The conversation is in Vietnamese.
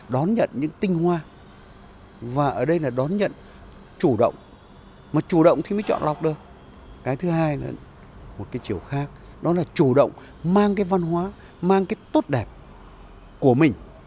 điều khác đó là chủ động mang cái văn hóa mang cái tốt đẹp của mình